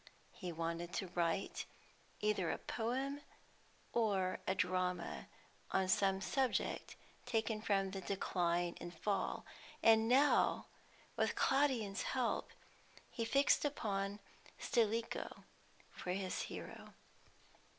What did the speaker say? He wanted to write either a poem or a drama on some subject taken from the "Decline and Fall," and now, with Claudian's help, he fixed upon Stilicho for his hero.